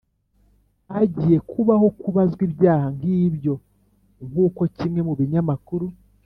"hagiye kubaho kubazwa" ibyaha nk'ibyo nk'uko kimwe mu binyamakuru